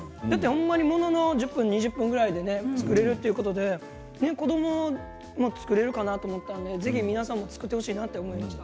ものの１０分２０分ぐらいで作れるということで子どもも作れるかなと思ったのでぜひ皆さんも作ってほしいなと思いました。